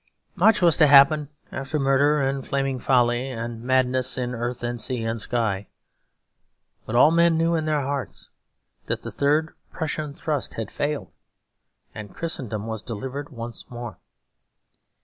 Much was to happen after murder and flaming folly and madness in earth and sea and sky; but all men knew in their hearts that the third Prussian thrust had failed, and Christendom was delivered once more.